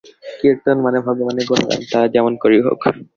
কীর্তন মানে ভগবানের গুণগান, তা যেমন করেই হোক।